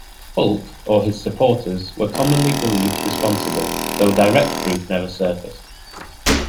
Fulk, or his supporters, were commonly believed responsible, though direct proof never surfaced.